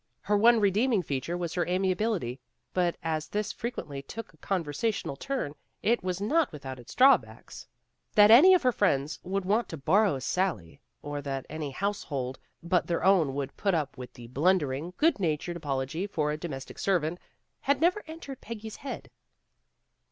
Her one redeeming feature was her amiability, but as this frequently took a conversational turn, it was not without its drawbacks. That any of her friends could want to borrow Sally, or that MISTRESS AND MAID 145 any household but their own would put up with the blundering, good natured apology for a domestic servant, had never entered Peggy's head.